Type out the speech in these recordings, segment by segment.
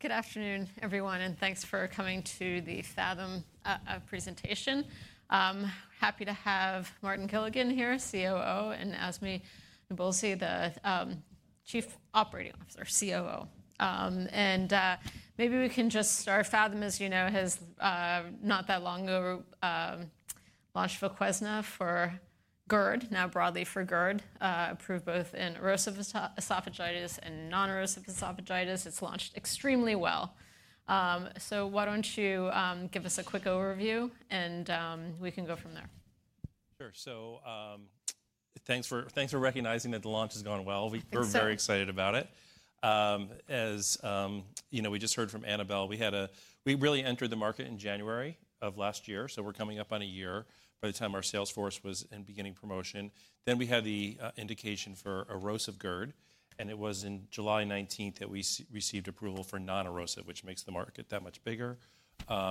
Good afternoon, everyone, and thanks for coming to the Phathom presentation. Happy to have Martin Gilligan here, CCO, and Azmi Nabulsi, the Chief Operating Officer, COO. Maybe we can just start. Phathom, as you know, has not that long ago launched VOQUEZNA for GERD, now broadly for GERD, approved both in erosive esophagitis and non-erosive esophagitis. It's launched extremely well. Why don't you give us a quick overview, and we can go from there. Sure. So thanks for recognizing that the launch has gone well. We're very excited about it. As you know, we just heard from Annabel. We really entered the market in January of last year, so we're coming up on a year by the time our sales force was in beginning promotion. Then we had the indication for erosive GERD, and it was in July 2019 that we received approval for non-erosive, which makes the market that much bigger.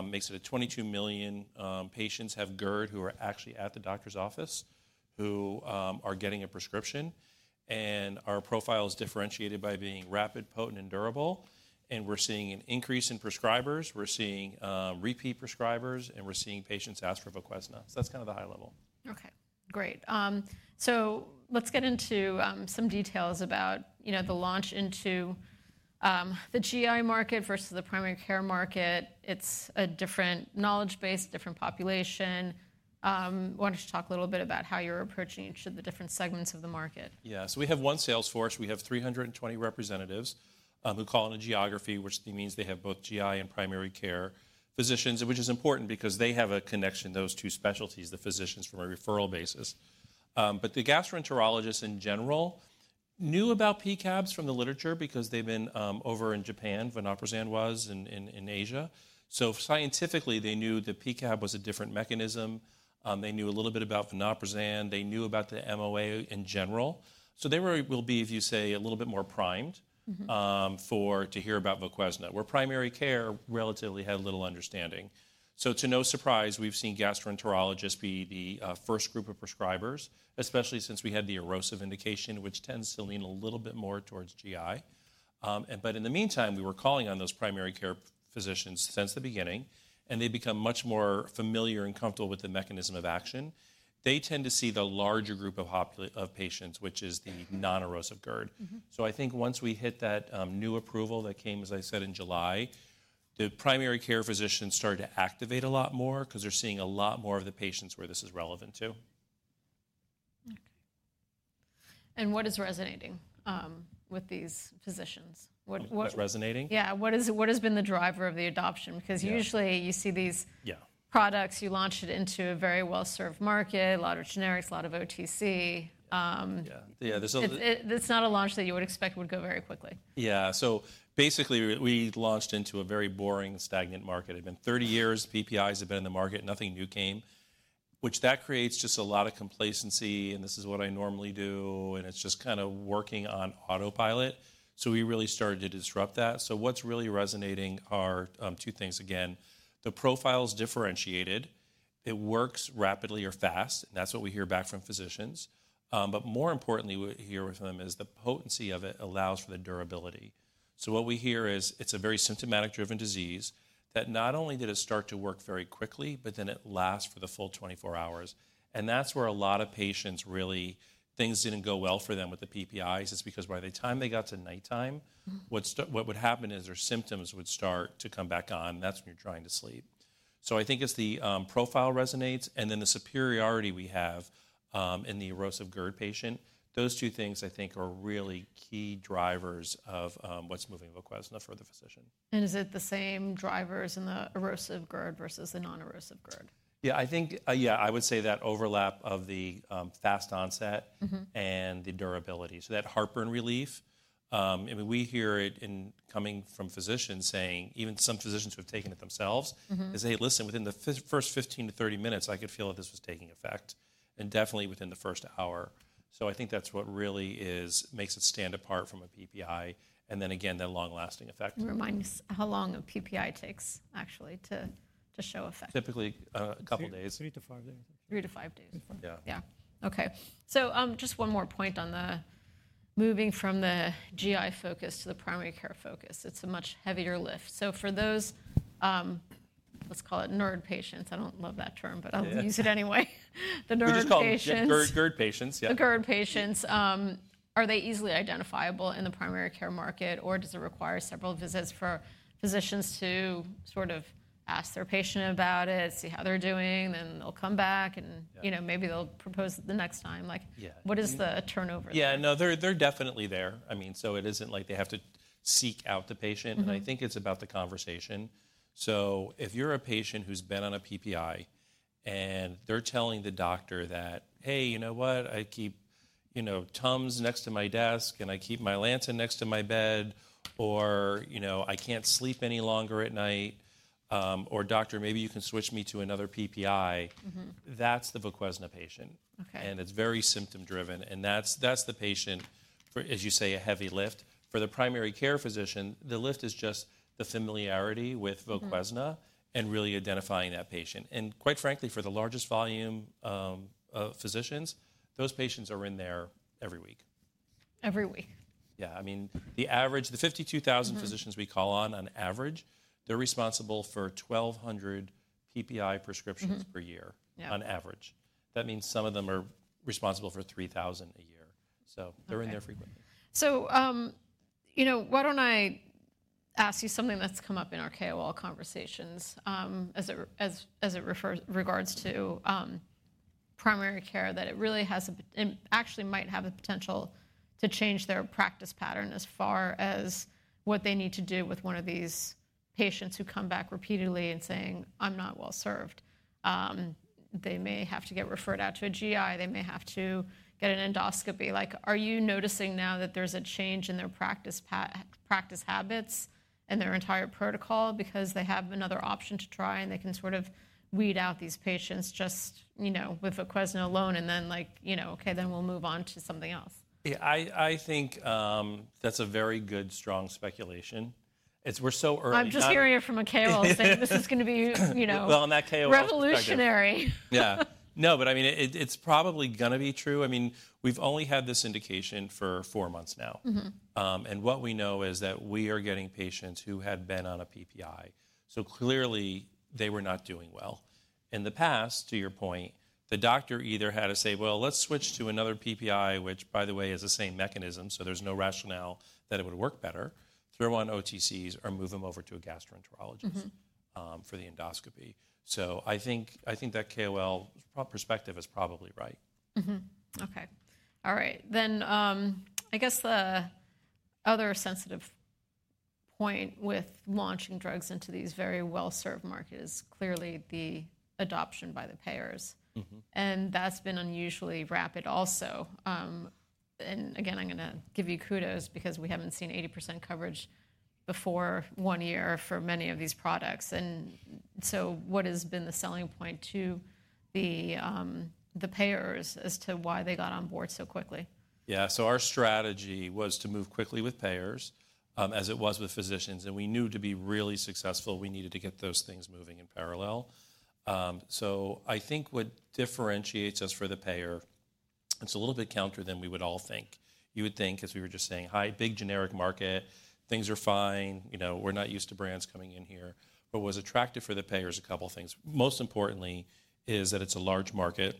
Makes it a 22 million patients have GERD who are actually at the doctor's office who are getting a prescription, and our profile is differentiated by being rapid, potent, and durable. And we're seeing an increase in prescribers. We're seeing repeat prescribers, and we're seeing patients ask for VOQUEZNA. So that's kind of the high level. Okay. Great. So let's get into some details about the launch into the GI market versus the primary care market. It's a different knowledge base, different population. Why don't you talk a little bit about how you're approaching each of the different segments of the market? Yeah. So we have one sales force. We have 320 representatives who call in a geography, which means they have both GI and primary care physicians, which is important because they have a connection, those two specialties, the physicians from a referral basis. But the gastroenterologists in general knew about PCABs from the literature because they've been over in Japan. Vonoprazan was in Asia. So scientifically, they knew that PCAB was a different mechanism. They knew a little bit about vonoprazan. They knew about the MOA in general. So they will be, if you say, a little bit more primed to hear about VOQUEZNA, where primary care relatively had a little understanding. So to no surprise, we've seen gastroenterologists be the first group of prescribers, especially since we had the erosive indication, which tends to lean a little bit more towards GI. But in the meantime, we were calling on those primary care physicians since the beginning, and they've become much more familiar and comfortable with the mechanism of action. They tend to see the larger group of patients, which is the non-erosive GERD. So I think once we hit that new approval that came, as I said, in July, the primary care physicians started to activate a lot more because they're seeing a lot more of the patients where this is relevant to. Okay, and what is resonating with these physicians? What's resonating? Yeah. What has been the driver of the adoption? Because usually you see these products, you launched it into a very well-served market, a lot of generics, a lot of OTC. Yeah. Yeah. It's not a launch that you would expect would go very quickly. Yeah. So basically, we launched into a very boring, stagnant market. It had been 30 years. PPIs have been in the market. Nothing new came, which that creates just a lot of complacency. And this is what I normally do, and it's just kind of working on autopilot. So we really started to disrupt that. So what's really resonating are two things. Again, the profile is differentiated. It works rapidly or fast, and that's what we hear back from physicians. But more importantly, what we hear from them is the potency of it allows for the durability. So what we hear is it's a very symptomatic-driven disease that not only did it start to work very quickly, but then it lasts for the full 24 hours. And that's where a lot of patients really things didn't go well for them with the PPIs. It's because by the time they got to nighttime, what would happen is their symptoms would start to come back on. That's when you're trying to sleep. So I think it's the profile resonates, and then the superiority we have in the erosive GERD patient. Those two things, I think, are really key drivers of what's moving VOQUEZNA for the physician. Is it the same drivers in the erosive GERD versus the non-erosive GERD? Yeah. I think, yeah, I would say that overlap of the fast onset and the durability. So that heartburn relief, I mean, we hear it coming from physicians saying, even some physicians who have taken it themselves, they say, "Hey, listen, within the first 15-30 minutes, I could feel that this was taking effect," and definitely within the first hour. So I think that's what really makes it stand apart from a PPI. And then again, that long-lasting effect. Reminds how long a PPI takes actually to show effect. Typically a couple of days. Three to five days. Three to five days. Yeah. Okay. So just one more point on the moving from the GI focus to the primary care focus. It's a much heavier lift. So for those, let's call it NERD patients. I don't love that term, but I'll use it anyway. The NERD patients. GERD patients, yeah. The GERD patients, are they easily identifiable in the primary care market, or does it require several visits for physicians to sort of ask their patient about it, see how they're doing, then they'll come back, and maybe they'll propose it the next time? What is the turnover? Yeah. No, they're definitely there. I mean, so it isn't like they have to seek out the patient, and I think it's about the conversation, so if you're a patient who's been on a PPI and they're telling the doctor that, "Hey, you know what? I keep Tums next to my desk, and I keep my lanso next to my bed," or, "I can't sleep any longer at night," or, "Doctor, maybe you can switch me to another PPI," that's the VOQUEZNA patient, and it's very symptom-driven, and that's the patient, as you say, a heavy lift. For the primary care physician, the lift is just the familiarity with VOQUEZNA and really identifying that patient, and quite frankly, for the largest volume of physicians, those patients are in there every week. Every week. Yeah. I mean, the average, the 52,000 physicians we call on, on average, they're responsible for 1,200 PPI prescriptions per year on average. That means some of them are responsible for 3,000 a year. So they're in there frequently. So why don't I ask you something that's come up in our KOL conversations as it regards to primary care that it really has and actually might have the potential to change their practice pattern as far as what they need to do with one of these patients who come back repeatedly and saying, "I'm not well served." They may have to get referred out to a GI. They may have to get an endoscopy. Are you noticing now that there's a change in their practice habits and their entire protocol because they have another option to try, and they can sort of weed out these patients just with VOQUEZNA alone and then, okay, then we'll move on to something else? Yeah. I think that's a very good, strong speculation. We're so early. I'm just hearing it from a KOL saying this is going to be. I'm not KOL. Revolutionary. Yeah. No, but I mean, it's probably going to be true. I mean, we've only had this indication for four months now. And what we know is that we are getting patients who had been on a PPI. So clearly, they were not doing well. In the past, to your point, the doctor either had to say, "Well, let's switch to another PPI," which, by the way, is the same mechanism, so there's no rationale that it would work better, throw on OTCs or move them over to a gastroenterologist for the endoscopy. So I think that KOL perspective is probably right. Okay. All right. Then I guess the other sensitive point with launching drugs into these very well-served markets is clearly the adoption by the payers. And that's been unusually rapid also. And again, I'm going to give you kudos because we haven't seen 80% coverage before one year for many of these products. And so what has been the selling point to the payers as to why they got on board so quickly? Yeah. So our strategy was to move quickly with payers as it was with physicians. And we knew to be really successful, we needed to get those things moving in parallel. So I think what differentiates us for the payer, it's a little bit counter than we would all think. You would think, as we were just saying, "Hi, big generic market. Things are fine. We're not used to brands coming in here." What was attractive for the payers are a couple of things. Most importantly is that it's a large market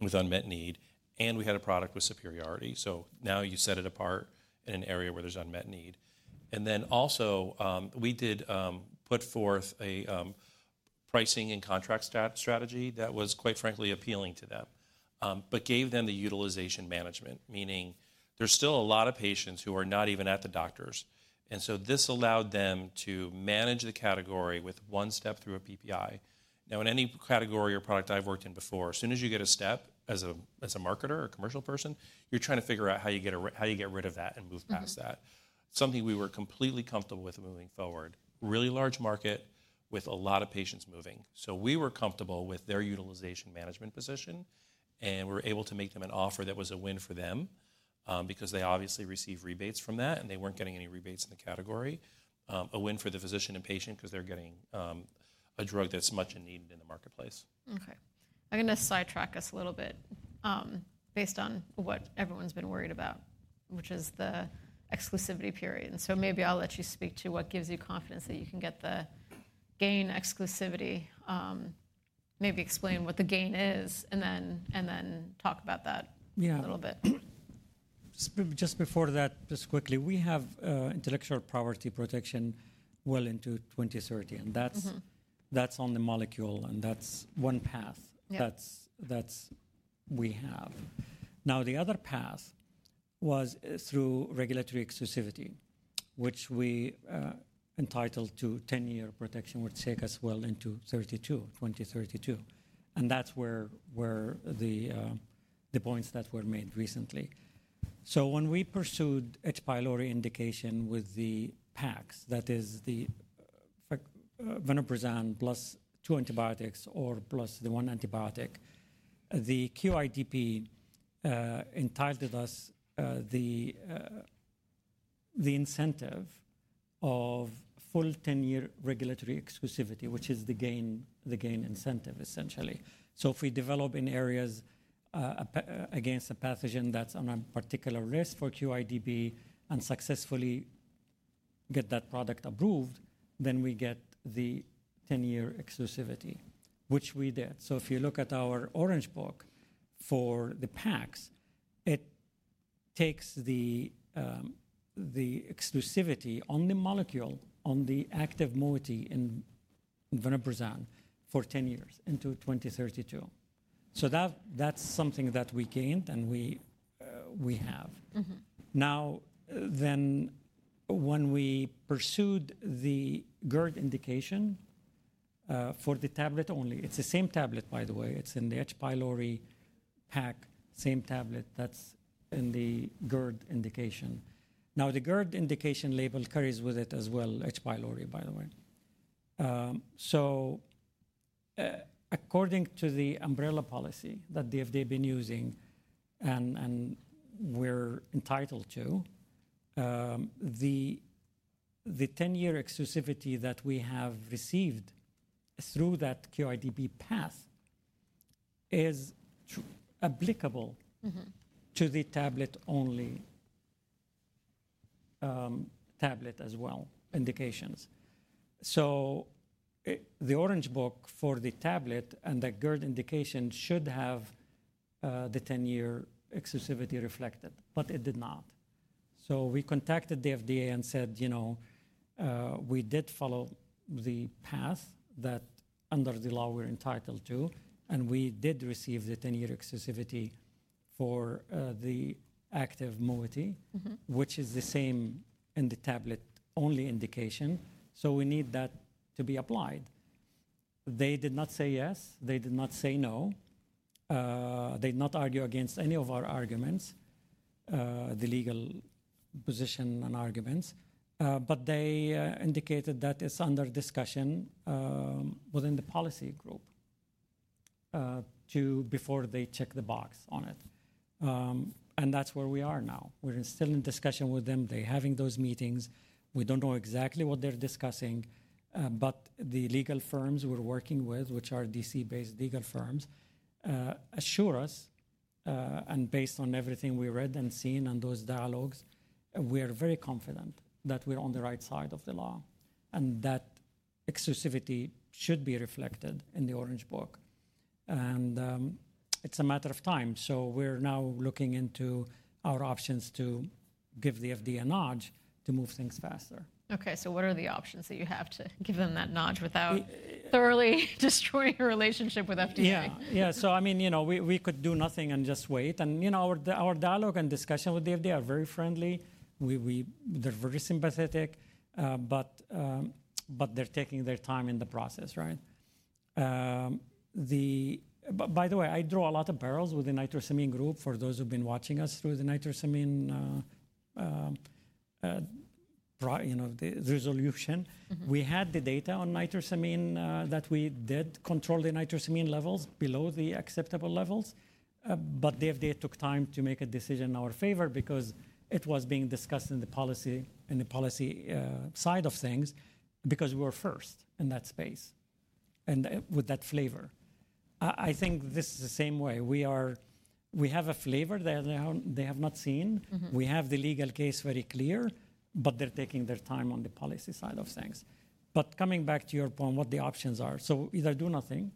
with unmet need, and we had a product with superiority. So now you set it apart in an area where there's unmet need. And then also, we did put forth a pricing and contract strategy that was, quite frankly, appealing to them, but gave them the utilization management, meaning there's still a lot of patients who are not even at the doctor's. And so this allowed them to manage the category with one step through a PPI. Now, in any category or product I've worked in before, as soon as you get a step as a marketer or commercial person, you're trying to figure out how you get rid of that and move past that. Something we were completely comfortable with moving forward. Really large market with a lot of patients moving. So we were comfortable with their utilization management position, and we were able to make them an offer that was a win for them because they obviously received rebates from that, and they weren't getting any rebates in the category. A win for the physician and patient because they're getting a drug that's much in need in the marketplace. Okay. I'm going to sidetrack us a little bit based on what everyone's been worried about, which is the exclusivity period. And so maybe I'll let you speak to what gives you confidence that you can get the GAIN exclusivity, maybe explain what the GAIN is, and then talk about that a little bit. Just before that, just quickly, we have intellectual property protection well into 2030, and that's on the molecule, and that's one path that we have. Now, the other path was through regulatory exclusivity, which we entitled to 10-year protection, which takes us well into 2032. And that's where the points that were made recently. So when we pursued H. pylori indication with the PAKs, that is the vonoprazan plus two antibiotics or plus the one antibiotic, the QIDP entitled us the incentive of full 10-year regulatory exclusivity, which is the GAIN incentive, essentially. So if we develop in areas against a pathogen that's on a particular risk for QIDP and successfully get that product approved, then we get the 10-year exclusivity, which we did. If you look at our Orange Book for the PAKs, it takes the exclusivity on the molecule, on the active moiety in vonoprazan for 10 years into 2032. So that's something that we gained and we have. Now then, when we pursued the GERD indication for the tablet only, it's the same tablet, by the way. It's in the H. pylori pack, same tablet that's in the GERD indication. Now, the GERD indication label carries with it as well H. pylori, by the way. So according to the umbrella policy that they've been using and we're entitled to, the 10-year exclusivity that we have received through that QIDP path is applicable to the tablet-only tablet as well indications. So the Orange Book for the tablet and the GERD indication should have the 10-year exclusivity reflected, but it did not. So we contacted the FDA and said, "We did follow the path that under the law we're entitled to, and we did receive the 10-year exclusivity for the active moiety, which is the same in the tablet-only indication. So we need that to be applied." They did not say yes. They did not say no. They did not argue against any of our arguments, the legal position and arguments, but they indicated that it's under discussion within the policy group before they check the box on it. And that's where we are now. We're still in discussion with them. They're having those meetings. We don't know exactly what they're discussing, but the legal firms we're working with, which are DC-based legal firms, assure us, and based on everything we read and seen on those dialogues, we are very confident that we're on the right side of the law and that exclusivity should be reflected in the Orange Book, and it's a matter of time, so we're now looking into our options to give the FDA a nudge to move things faster. Okay. So what are the options that you have to give them that nudge without thoroughly destroying your relationship with FDA? Yeah. Yeah. So I mean, we could do nothing and just wait. And our dialogue and discussion with the FDA are very friendly. They're very sympathetic, but they're taking their time in the process, right? By the way, I draw a lot of parallels with the nitrosamine group for those who've been watching us throughout the nitrosamine resolution. We had the data on nitrosamine that we did control the nitrosamine levels below the acceptable levels, but the FDA took time to make a decision in our favor because it was being discussed in the policy side of things because we were first in that space and with that flavor. I think this is the same way. We have a flavor that they have not seen. We have the legal case very clear, but they're taking their time on the policy side of things. But coming back to your point, what the options are, so either do nothing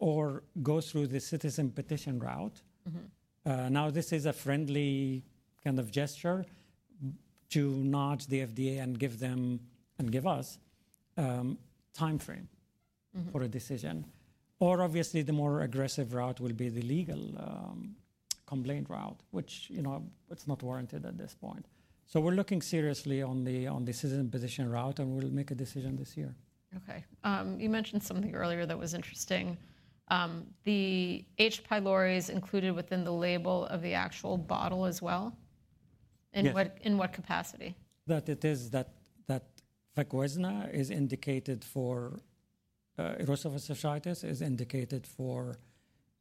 or go through the Citizen Petition route. Now, this is a friendly kind of gesture to nudge the FDA and give them and give us timeframe for a decision. Or obviously, the more aggressive route will be the legal complaint route, which it's not warranted at this point. So we're looking seriously on the Citizen Petition route, and we'll make a decision this year. Okay. You mentioned something earlier that was interesting. The H. pylori is included within the label of the actual bottle as well? In what capacity? That it is that VOQUEZNA is indicated for erosive esophagitis, is indicated for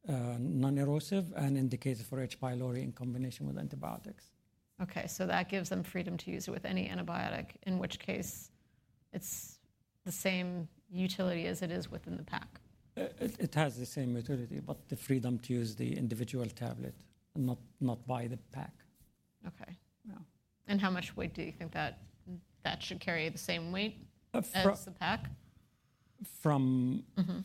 non-erosive, and indicated for H. pylori in combination with antibiotics. Okay. So that gives them freedom to use it with any antibiotic, in which case it's the same utility as it is within the pack. It has the same utility, but the freedom to use the individual tablet, not buy the pack. Okay. Wow. And how much weight do you think that should carry? The same weight as the pack? From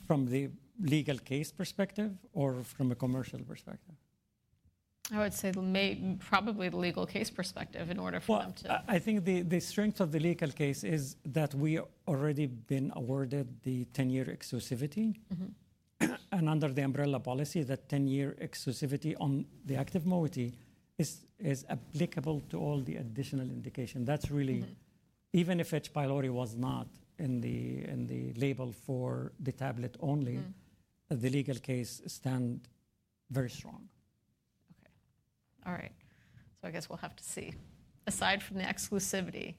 the legal case perspective or from a commercial perspective? I would say probably the legal case perspective in order for them to. I think the strength of the legal case is that we have already been awarded the 10-year exclusivity. Under the umbrella policy, that 10-year exclusivity on the active moiety is applicable to all the additional indication. That's really, even if H. pylori was not in the label for the tablet only, the legal case stands very strong. Okay. All right. So I guess we'll have to see. Aside from the exclusivity,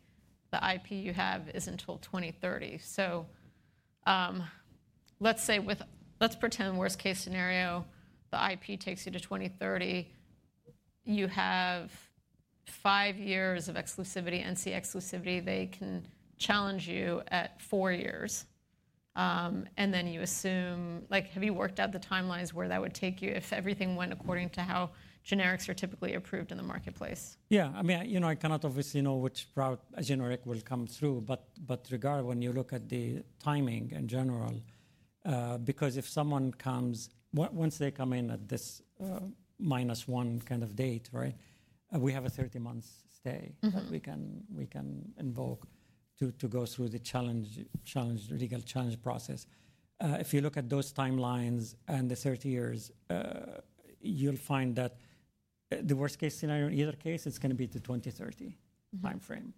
the IP you have isn't until 2030. So let's say with, let's pretend worst case scenario, the IP takes you to 2030. You have five years of exclusivity. NCE Exclusivity, they can challenge you at four years. And then you assume, have you worked out the timelines where that would take you if everything went according to how generics are typically approved in the marketplace? Yeah. I mean, I cannot obviously know which route a generic will come through, but regardless when you look at the timing in general, because if someone comes, once they come in at this minus one kind of date, right, we have a 30-month stay that we can invoke to go through the challenge, legal challenge process. If you look at those timelines and the 30 years, you'll find that the worst case scenario, in either case, it's going to be the 2030 timeframe.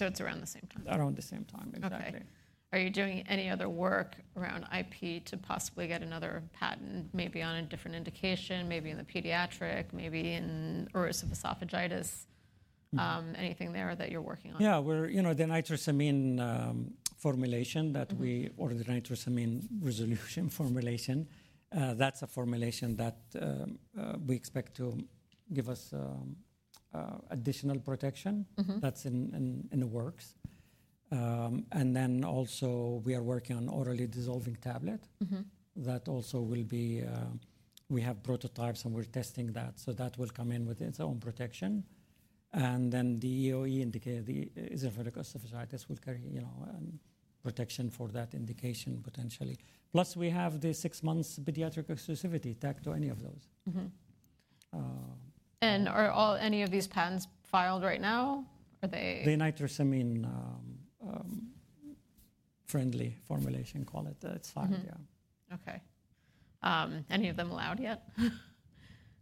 It's around the same time. Around the same time, exactly. Okay. Are you doing any other work around IP to possibly get another patent, maybe on a different indication, maybe in the pediatric, maybe in erosive esophagitis, anything there that you're working on? Yeah. The nitrosamine formulation that we ordered, nitrosamine resolution formulation, that's a formulation that we expect to give us additional protection. That's in the works. And then also we are working on orally dissolving tablet that also will be, we have prototypes and we're testing that. So that will come in with its own protection. And then the EoE indication, the eosinophilic esophagitis will carry protection for that indication potentially. Plus we have the six-month pediatric exclusivity tacked to any of those. Are any of these patents filed right now? Are they? The nitrosamine-friendly formulation, call it, that's filed, yeah. Okay. Any of them allowed yet?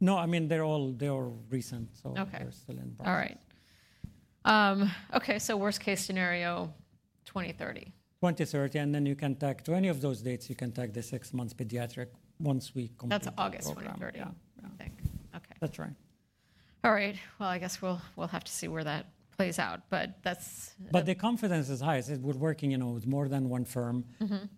No. I mean, they're all recent, so they're still in process. All right. Okay. So worst case scenario, 2030. 2030, and then you can tack to any of those dates, you can tack the six-month pediatric once we complete. That's August 2030, I think. Okay. That's right. All right. Well, I guess we'll have to see where that plays out, but that's. But the confidence is high. We're working with more than one firm.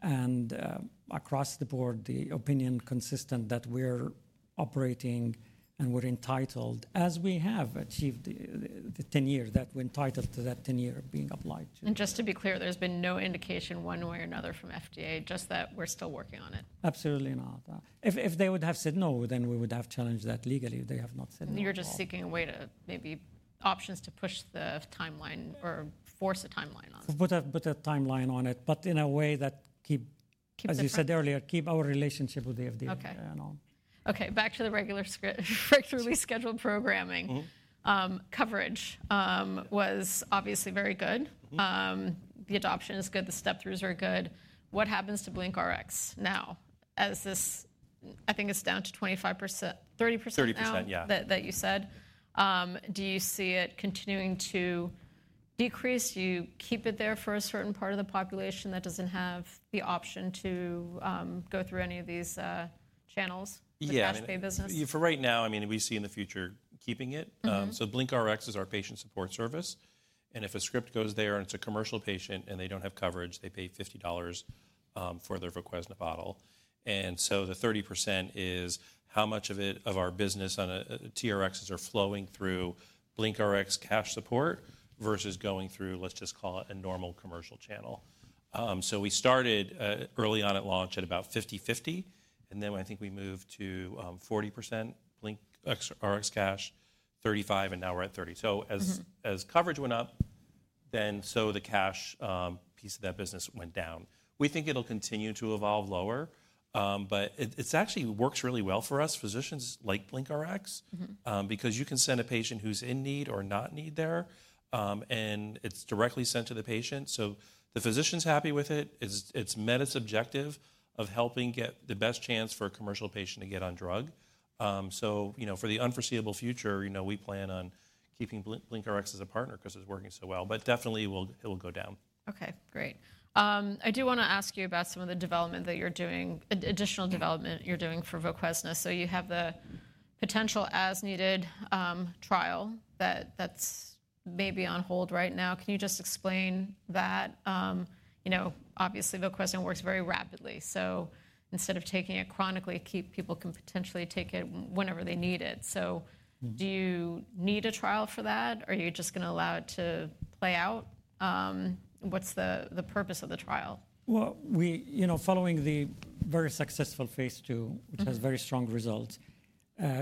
And across the board, the opinion is consistent that we're operating and we're entitled, as we have achieved the 10 years that we're entitled to that 10-year being applied to. Just to be clear, there's been no indication one way or another from FDA. Just that we're still working on it. Absolutely not. If they would have said no, then we would have challenged that legally. They have not said no. You're just seeking a way to maybe options to push the timeline or force a timeline on it. Put a timeline on it, but in a way that, as you said earlier, keep our relationship with the FDA. Okay. Okay. Back to the regularly scheduled programming. Coverage was obviously very good. The adoption is good. The step-throughs are good. What happens to BlinkRx now? As this, I think it's down to 25%-30%. 30%, yeah. That you said. Do you see it continuing to decrease? Do you keep it there for a certain part of the population that doesn't have the option to go through any of these channels, the cash pay business? Yeah. For right now, I mean, we see in the future keeping it. So BlinkRx is our patient support service. And if a script goes there and it's a commercial patient and they don't have coverage, they pay $50 for their VOQUEZNA bottle. And so the 30% is how much of our business on TRXs are flowing through BlinkRx cash support versus going through, let's just call it a normal commercial channel. So we started early on at launch at about 50/50. And then I think we moved to 40% BlinkRx cash, 35%, and now we're at 30%. So as coverage went up, then so the cash piece of that business went down. We think it'll continue to evolve lower, but it actually works really well for us physicians like BlinkRx because you can send a patient who's in need or not need there, and it's directly sent to the patient. So the physician's happy with it. It's met its objective of helping get the best chance for a commercial patient to get on drug. So for the unforeseeable future, we plan on keeping BlinkRx as a partner because it's working so well, but definitely it will go down. Okay. Great. I do want to ask you about some of the development that you're doing, additional development you're doing for Voquezna. So you have the potential as-needed trial that's maybe on hold right now. Can you just explain that? Obviously, VOQUEZNA works very rapidly. So instead of taking it chronically, people can potentially take it whenever they need it. So do you need a trial for that? Are you just going to allow it to play out? What's the purpose of the trial? Following the very successful phase two, which has very strong results,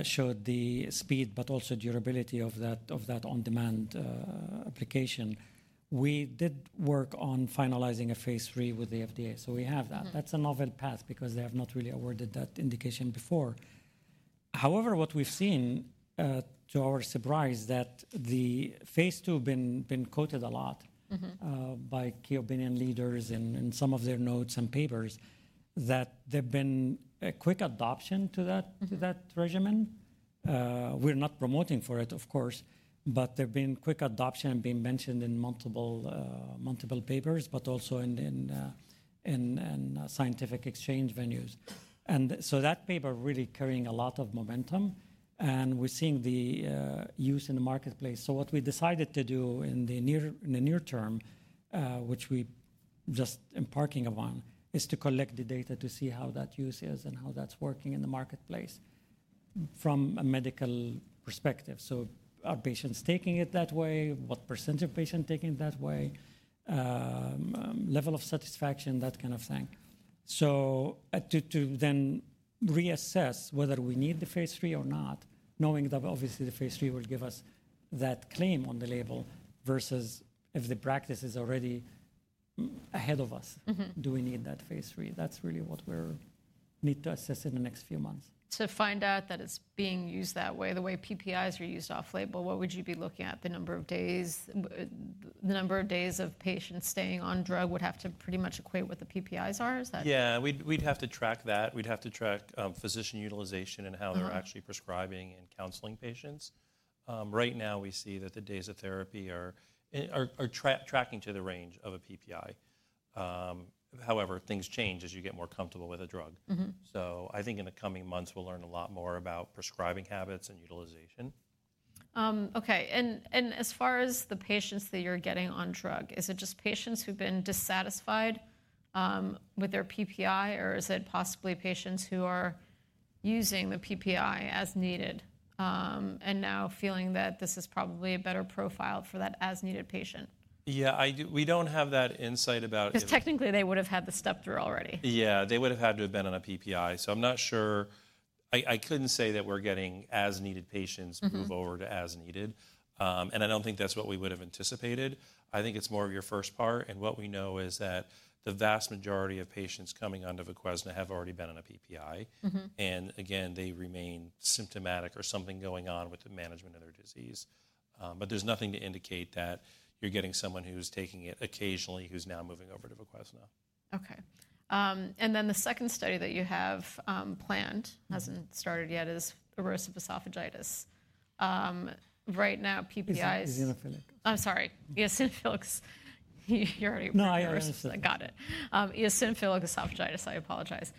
showed the speed, but also durability of that on-demand application, we did work on finalizing a phase three with the FDA. We have that. That's a novel path because they have not really awarded that indication before. However, what we've seen, to our surprise, that the phase two has been quoted a lot by key opinion leaders in some of their notes and papers that there've been a quick adoption to that regimen. We're not promoting for it, of course, but there've been quick adoption being mentioned in multiple papers, but also in scientific exchange venues. That paper really carrying a lot of momentum, and we're seeing the use in the marketplace. So what we decided to do in the near term, which we're just embarking upon, is to collect the data to see how that use is and how that's working in the marketplace from a medical perspective. So are patients taking it that way? What percentage of patients are taking it that way? Level of satisfaction, that kind of thing. So to then reassess whether we need the phase three or not, knowing that obviously the phase three will give us that claim on the label versus if the practice is already ahead of us, do we need that phase three? That's really what we need to assess in the next few months. To find out that it's being used that way, the way PPIs are used off-label, what would you be looking at? The number of days of patients staying on drug would have to pretty much equate what the PPIs are? Is that? Yeah. We'd have to track that. We'd have to track physician utilization and how they're actually prescribing and counseling patients. Right now, we see that the days of therapy are tracking to the range of a PPI. However, things change as you get more comfortable with a drug. So I think in the coming months, we'll learn a lot more about prescribing habits and utilization. Okay. And as far as the patients that you're getting on drug, is it just patients who've been dissatisfied with their PPI, or is it possibly patients who are using the PPI as needed and now feeling that this is probably a better profile for that as-needed patient? Yeah. We don't have that insight about. Because technically, they would have had the step-through already. Yeah. They would have had to have been on a PPI. So I'm not sure. I couldn't say that we're getting as-needed patients move over to as-needed. And I don't think that's what we would have anticipated. I think it's more of your first part. And what we know is that the vast majority of patients coming onto VOQUEZNA have already been on a PPI. And again, they remain symptomatic or something going on with the management of their disease. But there's nothing to indicate that you're getting someone who's taking it occasionally who's now moving over to VOQUEZNA. Okay. And then the second study that you have planned hasn't started yet is erosive esophagitis. Right now, PPIs. Is it eosinophilic? I'm sorry. Eosinophilic. You already got it. eosinophilic esophagitis, I apologize.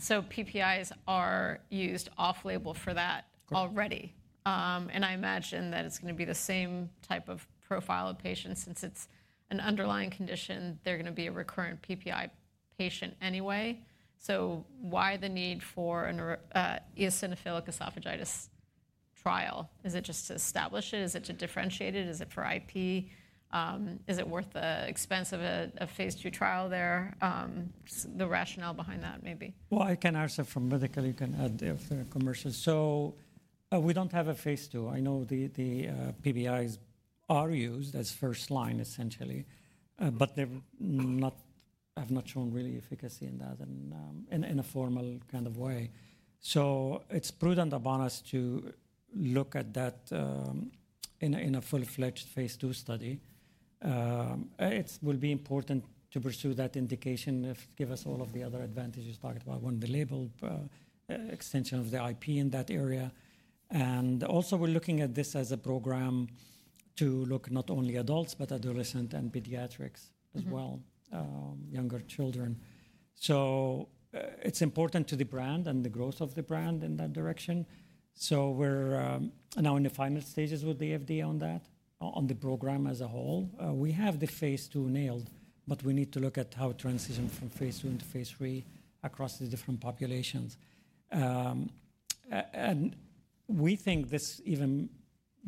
So PPIs are used off-label for that already. And I imagine that it's going to be the same type of profile of patients since it's an underlying condition. They're going to be a recurrent PPI patient anyway. So why the need for an eosinophilic esophagitis trial? Is it just to establish it? Is it to differentiate it? Is it for IP? Is it worth the expense of a phase II trial there? The rationale behind that, maybe. I can answer from medical. You can add if they're commercial. We don't have a phase two. I know the PPIs are used as first line, essentially, but they have not shown real efficacy in that in a formal kind of way. It's prudent upon us to look at that in a full-fledged phase II study. It will be important to pursue that indication if it gives us all of the other advantages talked about on the label extension of the IP in that area. Also, we're looking at this as a program to look not only adults, but adolescents and pediatrics as well, younger children. It's important to the brand and the growth of the brand in that direction. We're now in the final stages with the FDA on that, on the program as a whole. We have the phase II nailed, but we need to look at how to transition from phase II into phase III across the different populations, and we think this is an even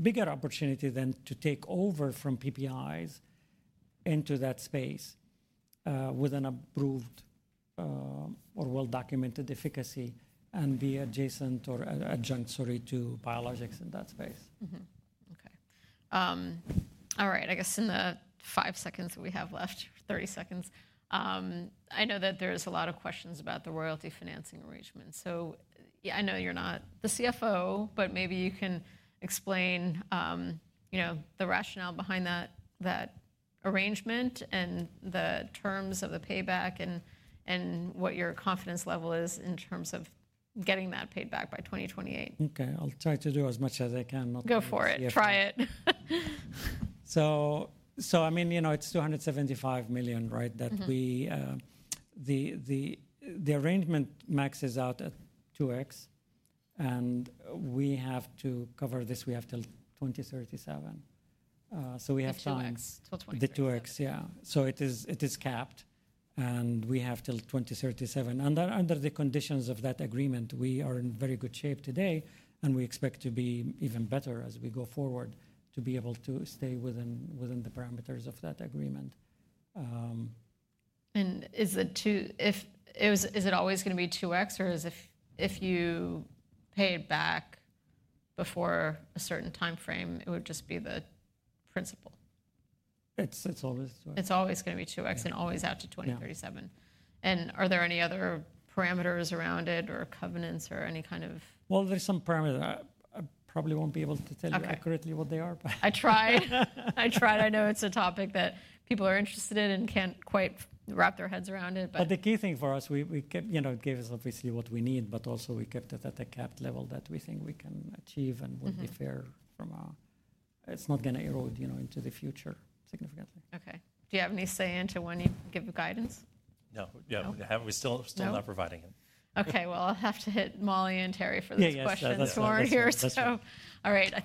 bigger opportunity than to take over from PPIs into that space with an approved or well-documented efficacy and be adjacent or adjunct, sorry, to biologics in that space. Okay. All right. I guess in the five seconds that we have left, 30 seconds, I know that there's a lot of questions about the royalty financing arrangement. So I know you're not the CFO, but maybe you can explain the rationale behind that arrangement and the terms of the payback and what your confidence level is in terms of getting that paid back by 2028. Okay. I'll try to do as much as I can. Go for it. Try it. So I mean, it's $275 million, right? The arrangement maxes out at 2x, and we have to cover this. We have till 2037. So we have time. The 2x, till 2037. The 2x, yeah. So it is capped, and we have till 2037. Under the conditions of that agreement, we are in very good shape today, and we expect to be even better as we go forward to be able to stay within the parameters of that agreement. Is it always going to be 2x, or if you pay it back before a certain timeframe, it would just be the principal? It's always 2x. It's always going to be 2x and always out to 2037. And are there any other parameters around it or covenants or any kind of? Well, there's some parameters. I probably won't be able to tell you accurately what they are, but. I tried. I tried. I know it's a topic that people are interested in and can't quite wrap their heads around it, but. But the key thing for us, it gave us obviously what we need, but also we kept it at a capped level that we think we can achieve and would be fair from a, it's not going to erode into the future significantly. Okay. Do you have any say into when you give guidance? No. Yeah. We're still not providing it. Okay. Well, I'll have to hit Molly and Terrie for this question this morning here. So all right.